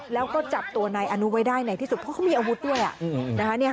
แล้วก็จับตัวนายอนุไว้ได้ในที่สุดเพราะเขามีอาวุธด้วย